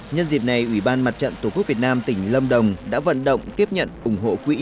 nhân dịp này ủy ban mặt trận tổ quốc việt nam tỉnh lâm đồng đã vận động tiếp nhận ủng hộ quỹ